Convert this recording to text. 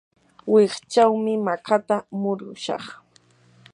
wikchawmi makata murushaq.